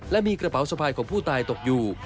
และมีกระเป๋าสะพายของผู้ตายตกอยู่